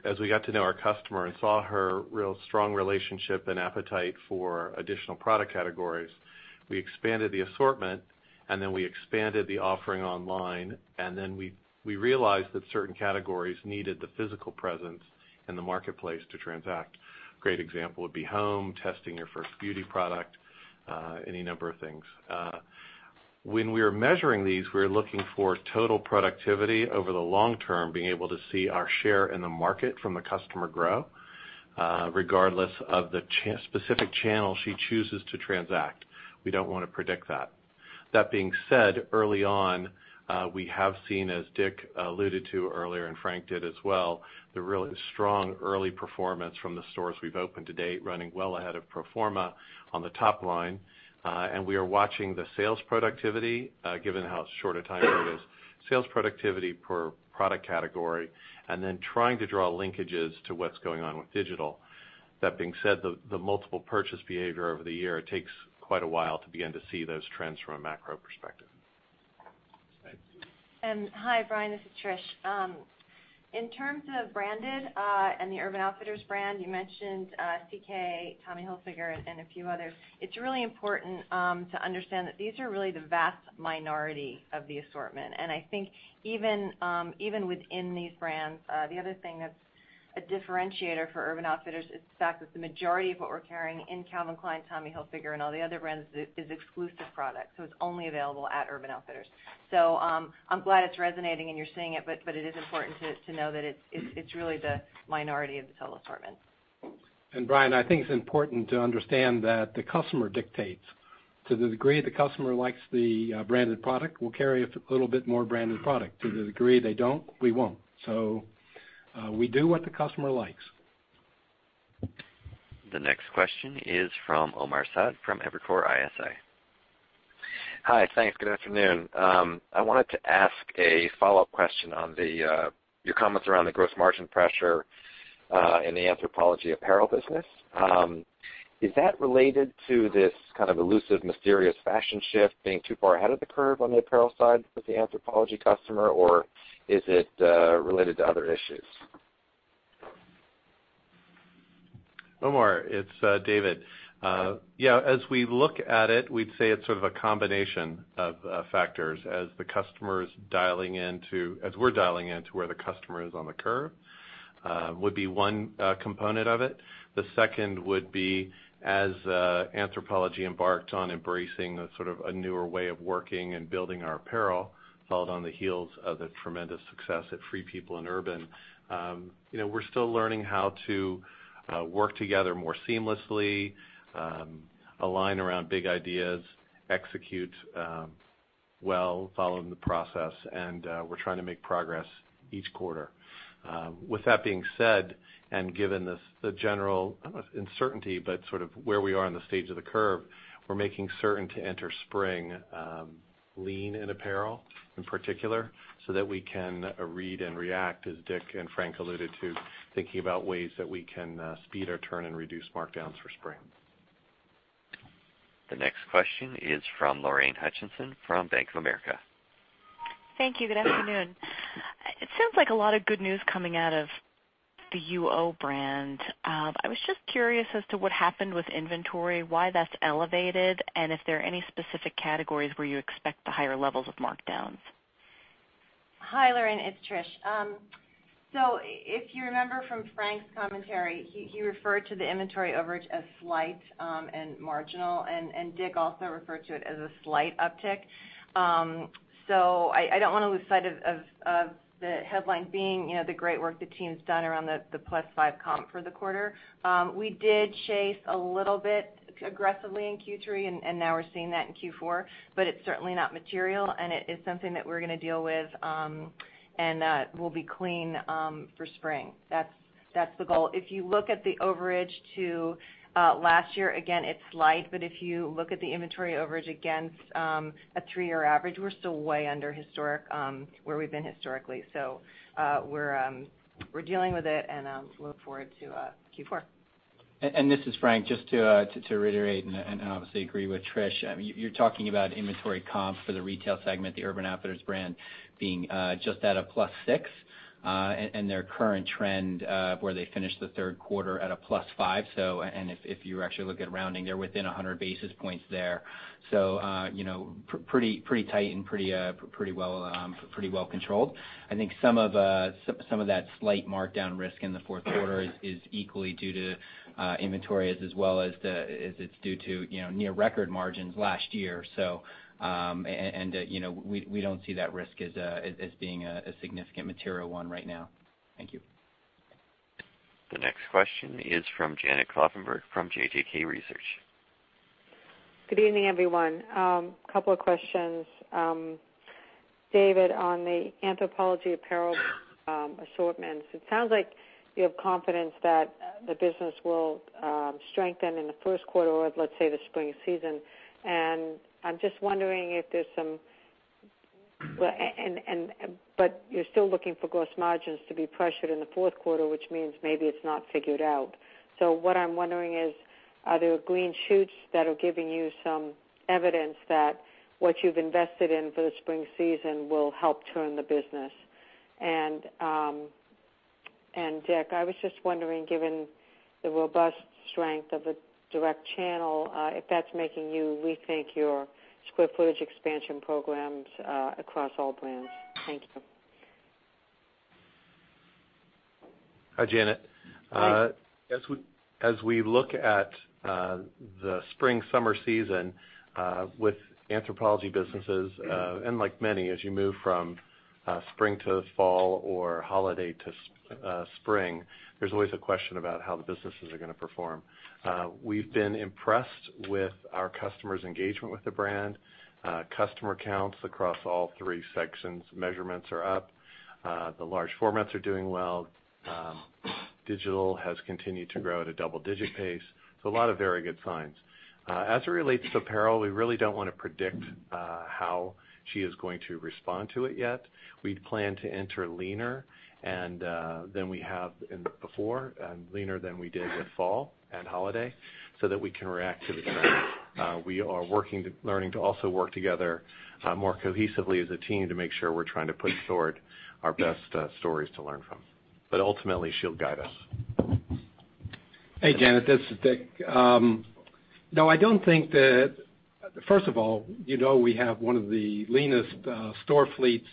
as we got to know our customer and saw her real strong relationship and appetite for additional product categories, we expanded the assortment, and then we expanded the offering online, and then we realized that certain categories needed the physical presence in the marketplace to transact. Great example would be home, testing your first beauty product, any number of things. When we are measuring these, we're looking for total productivity over the long term, being able to see our share in the market from the customer grow, regardless of the specific channel she chooses to transact. We don't want to predict that. That being said, early on, we have seen, as Dick alluded to earlier and Frank did as well, the really strong early performance from the stores we've opened to date, running well ahead of pro forma on the top line. We are watching the sales productivity, given how short a time it is, sales productivity per product category, and then trying to draw linkages to what's going on with digital. That being said, the multiple purchase behavior over the year, it takes quite a while to begin to see those trends from a macro perspective. Thank you. Hi, Brian. This is Trish. In terms of branded, the Urban Outfitters brand, you mentioned CK, Tommy Hilfiger, and a few others. It's really important to understand that these are really the vast minority of the assortment. I think even within these brands, the other thing that's a differentiator for Urban Outfitters is the fact that the majority of what we're carrying in Calvin Klein, Tommy Hilfiger, and all the other brands is exclusive product. It's only available at Urban Outfitters. I'm glad it's resonating and you're seeing it, but it is important to know that it's really the minority of the total assortment. Brian, I think it's important to understand that the customer dictates. To the degree the customer likes the branded product, we'll carry a little bit more branded product. To the degree they don't, we won't. We do what the customer likes. The next question is from Omar Saad from Evercore ISI. Hi. Thanks. Good afternoon. I wanted to ask a follow-up question on your comments around the gross margin pressure in the Anthropologie apparel business. Is that related to this kind of elusive, mysterious fashion shift being too far ahead of the curve on the apparel side with the Anthropologie customer, or is it related to other issues? Omar, it's David. Yeah. As we look at it, we'd say it's sort of a combination of factors as we're dialing into where the customer is on the curve, would be one component of it. The second would be as Anthropologie embarked on embracing the sort of a newer way of working and building our apparel, followed on the heels of the tremendous success at Free People and Urban. We're still learning how to work together more seamlessly, align around big ideas, execute well following the process, and we're trying to make progress each quarter. Given the general, I don't know if uncertainty, but sort of where we are in the stage of the curve, we're making certain to enter spring lean in apparel in particular, so that we can read and react, as Dick and Frank alluded to, thinking about ways that we can speed our turn and reduce markdowns for spring. The next question is from Lorraine Hutchinson from Bank of America. Thank you. Good afternoon. It sounds like a lot of good news coming out of the UO brand. I was just curious as to what happened with inventory, why that's elevated, and if there are any specific categories where you expect the higher levels of markdowns. Hi, Lorraine, it's Trish. If you remember from Frank's commentary, he referred to the inventory overage as slight, and marginal, and Dick also referred to it as a slight uptick. I don't want to lose sight of the headline being the great work the team's done around the +5 comp for the quarter. We did chase a little bit aggressively in Q3, and now we're seeing that in Q4. It's certainly not material, and it is something that we're going to deal with and will be clean for spring. That's the goal. If you look at the overage to last year, again, it's slight. If you look at the inventory overage against a 3-year average, we're still way under where we've been historically. We're dealing with it and look forward to Q4. This is Frank. Just to reiterate and obviously agree with Trish. You're talking about inventory comp for the retail segment, the Urban Outfitters brand being just at a +6, and their current trend where they finished the third quarter at a +5. If you actually look at rounding, they're within 100 basis points there. Pretty tight and pretty well controlled. I think some of that slight markdown risk in the fourth quarter is equally due to inventory as well as it's due to near record margins last year. We don't see that risk as being a significant material one right now. Thank you. The next question is from Janet Kloppenburg from JJK Research. Good evening, everyone. Couple of questions. David, on the Anthropologie apparel assortments, it sounds like you have confidence that the business will strengthen in the first quarter or let's say the spring season. I'm just wondering if there's, but you're still looking for gross margins to be pressured in the fourth quarter, which means maybe it's not figured out. What I'm wondering is, are there green shoots that are giving you some evidence that what you've invested in for the spring season will help turn the business? And Dick, I was just wondering, given the robust strength of the direct channel, if that's making you rethink your square footage expansion programs across all brands. Thank you. Hi, Janet. Hi. Like many, as you move from spring to fall or holiday to spring, there's always a question about how the businesses are going to perform. We've been impressed with our customers' engagement with the brand. Customer counts across all three sections, measurements are up. The large formats are doing well. Digital has continued to grow at a double-digit pace. A lot of very good signs. As it relates to apparel, we really don't want to predict how she is going to respond to it yet. We plan to enter leaner than we have before and leaner than we did with fall and holiday so that we can react to the trends. We are learning to also work together more cohesively as a team to make sure we're trying to put toward our best stories to learn from. Ultimately, she'll guide us. Hey, Janet. This is Dick. First of all, you know we have one of the leanest store fleets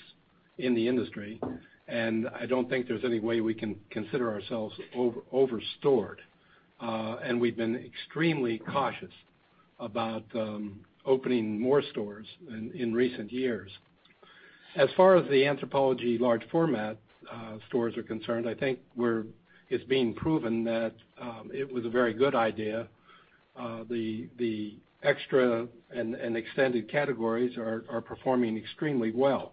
in the industry, I don't think there's any way we can consider ourselves over-stored. We've been extremely cautious about opening more stores in recent years. As far as the Anthropologie large format stores are concerned, I think it's being proven that it was a very good idea. The extra and extended categories are performing extremely well.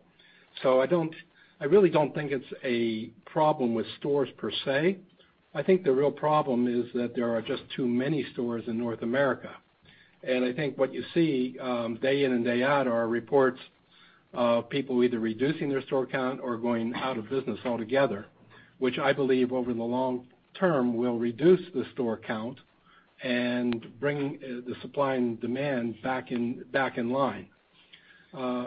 I really don't think it's a problem with stores, per se. I think the real problem is that there are just too many stores in North America. I think what you see day in and day out are reports of people either reducing their store count or going out of business altogether, which I believe over the long term will reduce the store count and bring the supply and demand back in line.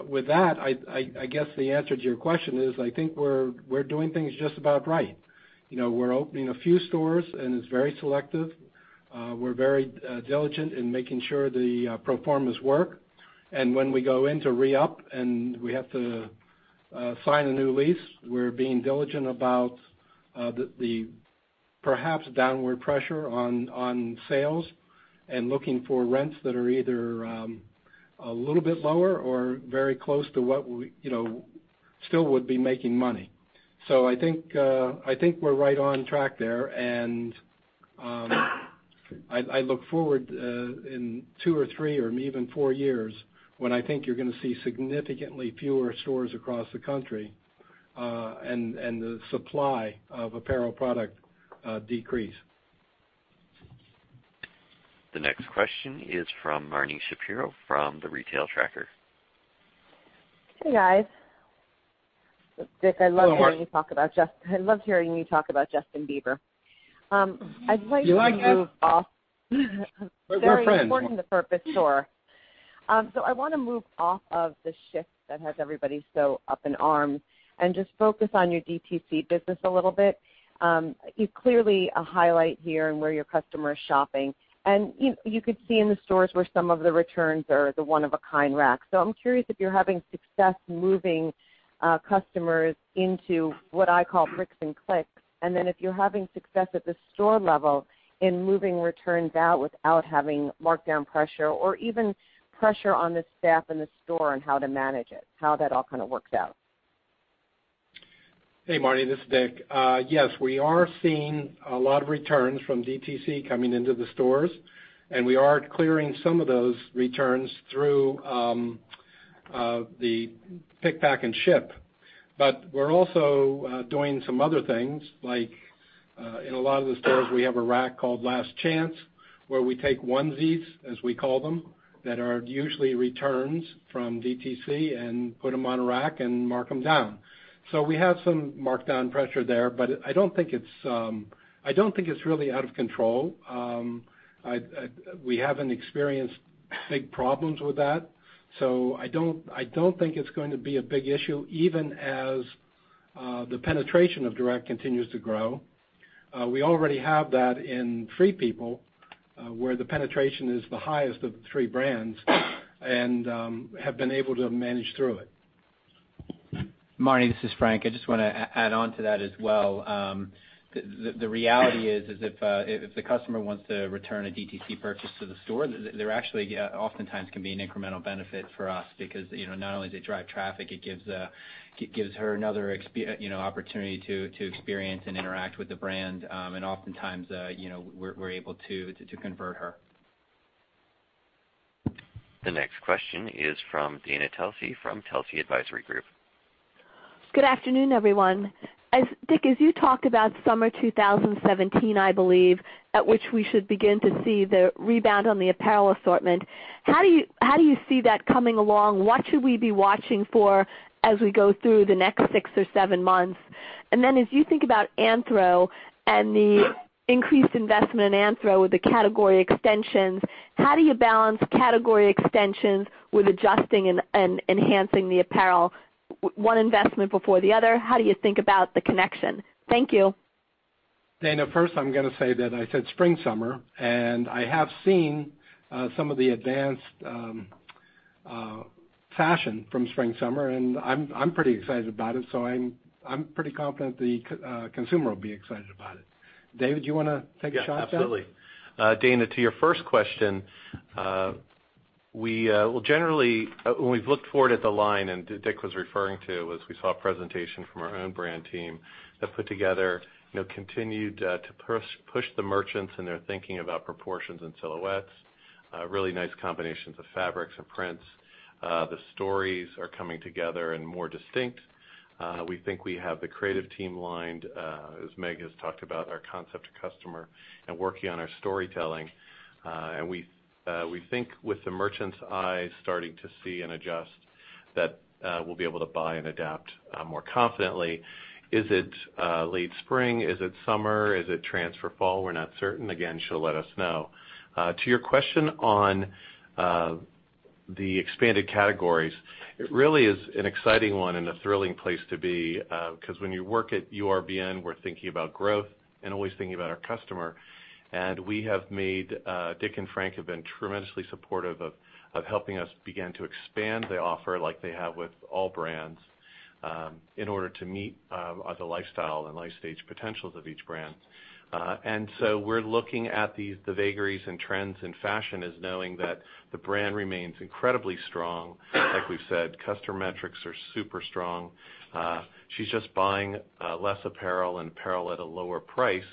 With that, I guess the answer to your question is, I think we're doing things just about right. We're opening a few stores, and it's very selective. We're very diligent in making sure the pro formas work. When we go in to re-up and we have to sign a new lease, we're being diligent about the perhaps downward pressure on sales and looking for rents that are either a little bit lower or very close to what still would be making money. I think we're right on track there, and I look forward in two or three or even four years when I think you're going to see significantly fewer stores across the country and the supply of apparel product decrease. The next question is from Marni Shapiro from The Retail Tracker. Hey, guys. Dick, I loved hearing you talk about Justin Bieber. You like Justin. We're friends. Very important to Purpose Store. I want to move off of the shift that has everybody so up in arms and just focus on your DTC business a little bit. You clearly highlight here and where your customer is shopping. You could see in the stores where some of the returns are the one-of-a-kind rack. I'm curious if you're having success moving customers into what I call bricks and clicks, and then if you're having success at the store level in moving returns out without having markdown pressure or even pressure on the staff in the store on how to manage it, how that all kind of works out. Hey, Marni. This is Dick. Yes, we are seeing a lot of returns from DTC coming into the stores. We are clearing some of those returns through the pick, pack, and ship. We're also doing some other things. In a lot of the stores, we have a rack called Last Chance, where we take onesies, as we call them, that are usually returns from DTC and put them on a rack and mark them down. We have some markdown pressure there. I don't think it's really out of control. We haven't experienced big problems with that. I don't think it's going to be a big issue, even as the penetration of direct continues to grow. We already have that in Free People, where the penetration is the highest of the three brands and have been able to manage through it. Marni, this is Frank. I just want to add on to that as well. The reality is if the customer wants to return a DTC purchase to the store, there actually oftentimes can be an incremental benefit for us because not only does it drive traffic, it gives her another opportunity to experience and interact with the brand. Oftentimes, we're able to convert her. The next question is from Dana Telsey from Telsey Advisory Group. Good afternoon, everyone. Dick, as you talked about summer 2017, I believe, at which we should begin to see the rebound on the apparel assortment, how do you see that coming along? What should we be watching for as we go through the next six or seven months? As you think about Anthro and the increased investment in Anthro with the category extensions, how do you balance category extensions with adjusting and enhancing the apparel, one investment before the other? How do you think about the connection? Thank you. Dana, first, I'm going to say that I said spring-summer, I have seen some of the advanced fashion from spring-summer, I'm pretty excited about it. I'm pretty confident the consumer will be excited about it. David, do you want to take a shot at that? Yeah, absolutely. Dana, to your first question. We've looked forward at the line, Dick was referring to, as we saw a presentation from our own brand team that put together, continued to push the merchants and their thinking about proportions and silhouettes. Really nice combinations of fabrics and prints. The stories are coming together and more distinct. We think we have the creative team lined, as Meg has talked about, our concept to customer, working on our storytelling. We think with the merchant's eyes starting to see and adjust, that we'll be able to buy and adapt more confidently. Is it late spring? Is it summer? Is it transfer fall? We're not certain. Again, she'll let us know. To your question on the expanded categories. It really is an exciting one and a thrilling place to be. Because when you work at URBN, we're thinking about growth and always thinking about our customer. Dick and Frank have been tremendously supportive of helping us begin to expand the offer like they have with all brands, in order to meet the lifestyle and life stage potentials of each brand. We're looking at the vagaries and trends in fashion as knowing that the brand remains incredibly strong. Like we've said, customer metrics are super strong. She's just buying less apparel and apparel at a lower price.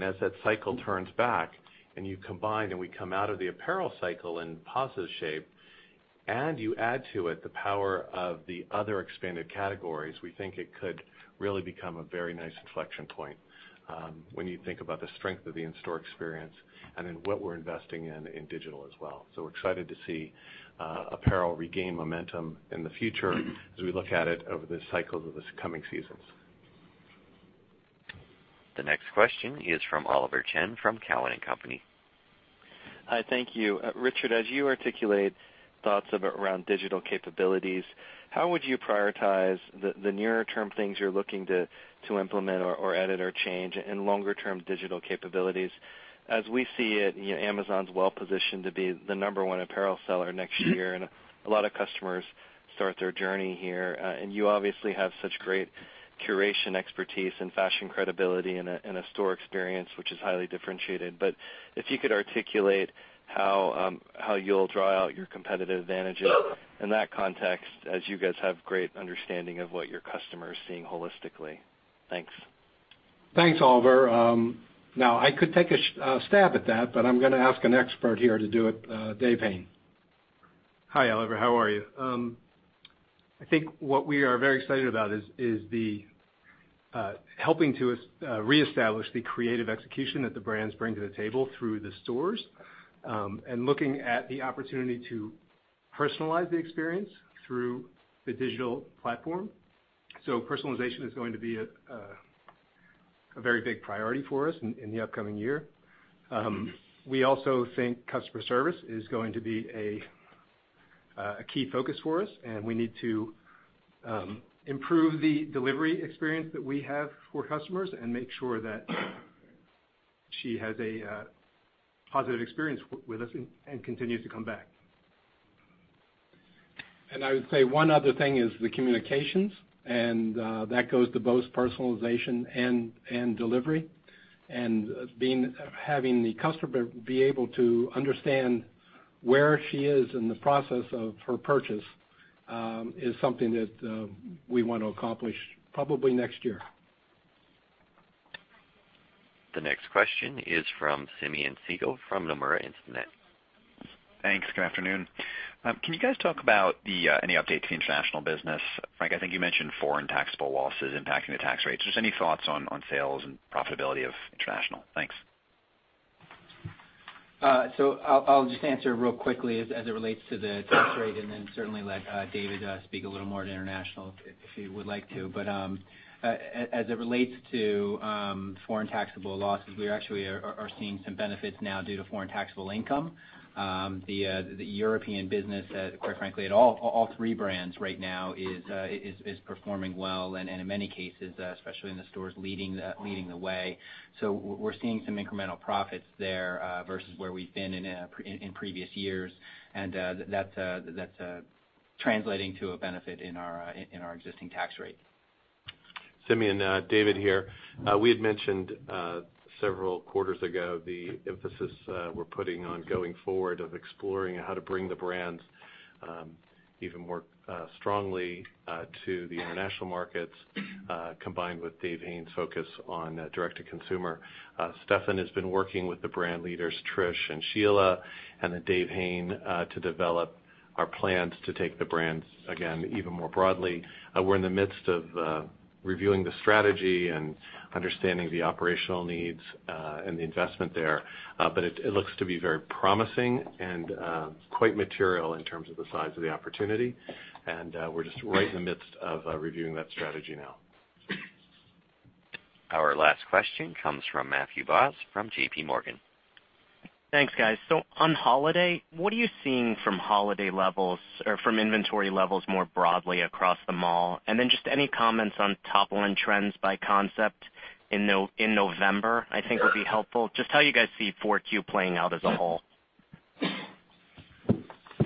As that cycle turns back and you combine, and we come out of the apparel cycle in positive shape, and you add to it the power of the other expanded categories, we think it could really become a very nice inflection point. When you think about the strength of the in-store experience and in what we're investing in in digital as well. We're excited to see apparel regain momentum in the future as we look at it over the cycles of the coming seasons. The next question is from Oliver Chen of Cowen and Company. Hi, thank you. Richard, as you articulate thoughts around digital capabilities, how would you prioritize the nearer term things you're looking to implement or edit or change in longer term digital capabilities? As we see it, Amazon's well-positioned to be the number 1 apparel seller next year, a lot of customers start their journey here. You obviously have such great curation expertise and fashion credibility and a store experience which is highly differentiated. If you could articulate how you'll draw out your competitive advantages in that context, as you guys have great understanding of what your customer is seeing holistically. Thanks. Thanks, Oliver. I could take a stab at that, but I'm going to ask an expert here to do it. Dave Hayne. Hi, Oliver. How are you? I think what we are very excited about is the helping to reestablish the creative execution that the brands bring to the table through the stores. Looking at the opportunity to personalize the experience through the digital platform. Personalization is going to be a very big priority for us in the upcoming year. We also think customer service is going to be a key focus for us, and we need to improve the delivery experience that we have for customers and make sure that she has a positive experience with us and continues to come back. I would say one other thing is the communications, and that goes to both personalization and delivery. Having the customer be able to understand where she is in the process of her purchase is something that we want to accomplish probably next year. The next question is from Simeon Siegel from Nomura Instinet. Thanks. Good afternoon. Can you guys talk about any update to the international business? Frank, I think you mentioned foreign taxable losses impacting the tax rates. Just any thoughts on sales and profitability of international. Thanks. I'll just answer real quickly as it relates to the tax rate, certainly let David speak a little more to international if he would like to. As it relates to foreign taxable losses, we actually are seeing some benefits now due to foreign taxable income. The European business, quite frankly, at all three brands right now is performing well. In many cases, especially in the stores leading the way. We're seeing some incremental profits there versus where we've been in previous years. That's translating to a benefit in our existing tax rate. Simeon, David here. We had mentioned several quarters ago the emphasis we're putting on going forward of exploring how to bring the brands even more strongly to the international markets, combined with Dave Hayne's focus on direct-to-consumer. Stefan has been working with the brand leaders, Trish and Sheila, Dave Hayne to develop our plans to take the brands again, even more broadly. We're in the midst of reviewing the strategy and understanding the operational needs and the investment there. It looks to be very promising and quite material in terms of the size of the opportunity. We're just right in the midst of reviewing that strategy now. Our last question comes from Matthew Boss from JP Morgan. Thanks, guys. On holiday, what are you seeing from holiday levels or from inventory levels more broadly across the mall? Just any comments on top-line trends by concept in November, I think would be helpful. Just how you guys see Q4 playing out as a whole.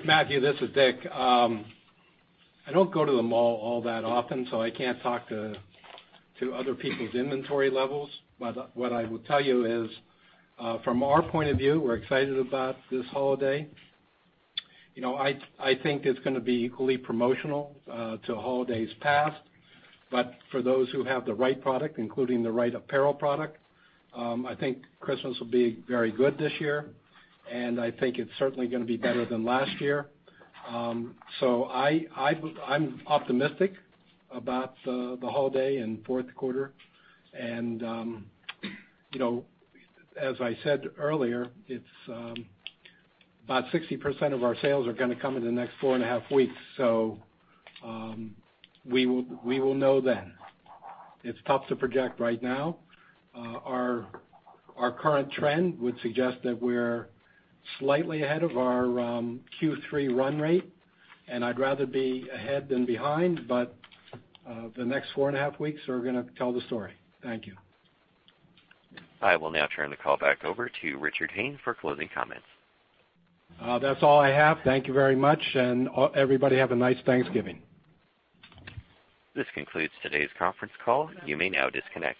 Matthew Boss, this is Richard Hayne. I don't go to the mall all that often, so I can't talk to other people's inventory levels. What I will tell you is, from our point of view, we're excited about this holiday. I think it's going to be equally promotional to holidays past. For those who have the right product, including the right apparel product, I think Christmas will be very good this year, and I think it's certainly going to be better than last year. I'm optimistic about the holiday and fourth quarter. As I said earlier, about 60% of our sales are going to come in the next four and a half weeks. We will know then. It's tough to project right now. Our current trend would suggest that we're slightly ahead of our Q3 run rate, and I'd rather be ahead than behind. The next four and a half weeks are going to tell the story. Thank you. I will now turn the call back over to Richard Hayne for closing comments. That's all I have. Thank you very much, and everybody have a nice Thanksgiving. This concludes today's conference call. You may now disconnect.